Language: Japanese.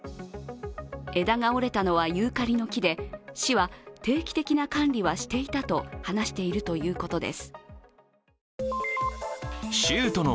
枝が折れたのはユーカリの木で市は定期的な管理はしていたと話しているということです。